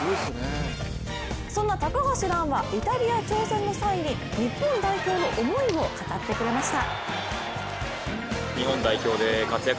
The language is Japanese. そんな高橋藍はイタリア挑戦の際に日本代表の思いを語ってくれました。